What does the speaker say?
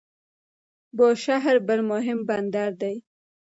بوشهر بل مهم بندر دی.